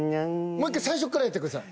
もう１回最初からやってください。